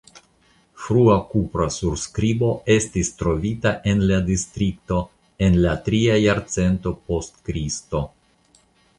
Frua kupra surskribo estis trovita en la distrikto el la tria jarcento post Kristo.